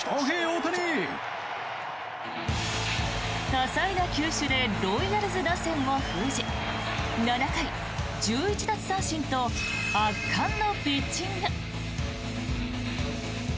多彩な球種でロイヤルズ打線を封じ７回、１１奪三振と圧巻のピッチング。